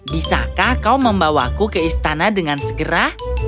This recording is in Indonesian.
bisakah kau membawaku ke istana dengan segera